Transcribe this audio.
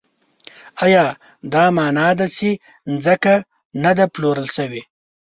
ایا دا مانا ده چې ځمکه نه ده پلورل شوې؟